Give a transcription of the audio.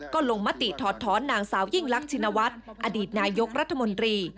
ก็ลงมติถอดท้อนนางสาวยิ่งรักชินวัฒน์อดีตนายกรัฐมนตรี